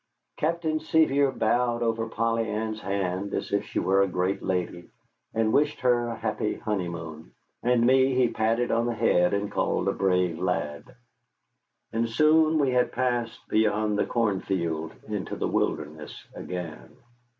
Captain Sevier bowed over Polly Ann's hand as if she were a great lady, and wished her a happy honeymoon, and me he patted on the head and called a brave lad. And soon we had passed beyond the corn field into the Wilderness again.